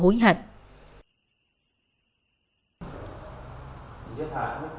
cùng thời điểm truy bắt triệu văn lập